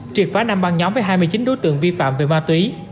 triệt phá năm băng nhóm với hai mươi chín đối tượng vi phạm về ma túy